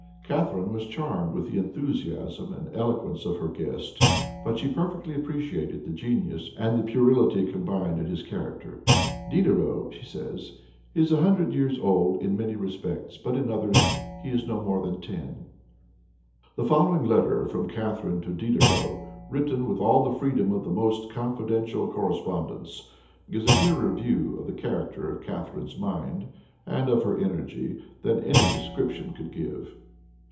Catharine was charmed with the enthusiasm and eloquence of her guest, but she perfectly appreciated the genius and the puerility combined in his character. "Diderot," said she, "is a hundred years old in many respects, but in others he is no more than ten." The following letter from Catharine to Diderot, written with all the freedom of the most confidential correspondence, gives a clearer view of the character of Catharine's mind, and of her energy, than any description could give.